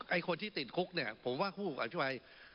ไอ้คนที่ติดคุกเนี่ยผมว่าคู่อธิบาย